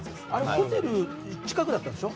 ホテルの近くだったでしょ？